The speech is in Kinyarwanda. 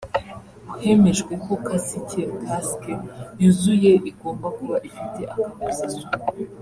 Hemejwe ko kasike (casque) yuzuye igomba kuba ifite akanozasuku